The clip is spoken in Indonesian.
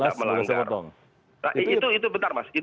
kalau itu jelas